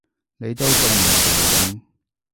你都仲唔承認！